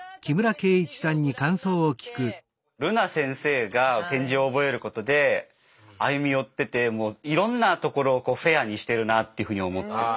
るな先生が点字を覚えることで歩み寄っててもういろんなところをフェアにしてるなっていうふうに思って。